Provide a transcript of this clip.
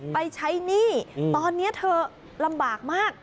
ไปใช้หนี้ตอนนี้เธอลำบากมาก